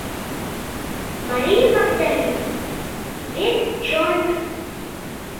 Мария Магдалина, вет чон...